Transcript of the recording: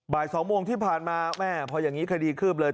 ๒โมงที่ผ่านมาแม่พออย่างนี้คดีคืบเลย